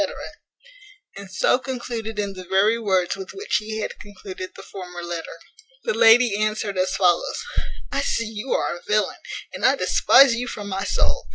And so concluded in the very words with which he had concluded the former letter. The lady answered as follows: "I see you are a villain! and I despise you from my soul.